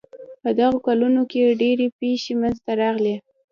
په دغو کلونو کې ډېرې پېښې منځته راغلې.